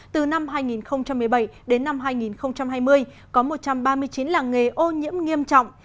từ năm hai nghìn một mươi bảy đến năm hai nghìn hai mươi có một trăm ba mươi chín làng nghề ô nhiễm nghiêm trọng